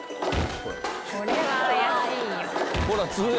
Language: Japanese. これは怪しいよ。